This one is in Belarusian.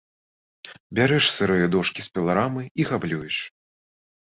Бярэш сырыя дошкі з піларамы і габлюеш.